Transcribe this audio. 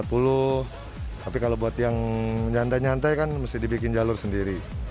tapi kalau buat yang nyantai nyantai kan mesti dibikin jalur sendiri